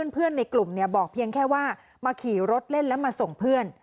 ในกลุ่มบอกเพียงแค่ว่ามาขี่รถเล่นแล้วมาส่งเพื่อน